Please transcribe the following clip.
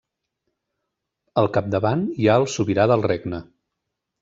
Al capdavant hi ha el sobirà del regne.